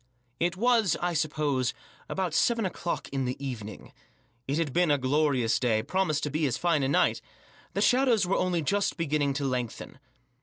It was, I suppose, about seven o'clock in the even ing. It had been a glorious day ; promised to be as fine a night. The shadows were only just beginning to lengthen.